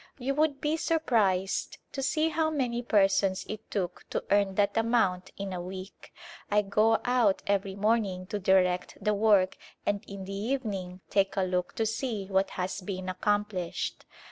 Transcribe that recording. You would be surprised to see how many persons it took to earn that amount in a week. I go out every morning to direct the work and in the evening take a look to see what has been accomplished.